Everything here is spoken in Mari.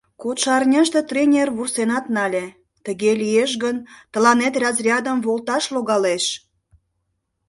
Кодшо арняште тренер вурсенат нале: «Тыге лиеш гын, тыланет разрядым волташ логалеш».